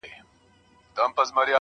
زما خبرو ته لا نوري چیغي وکړه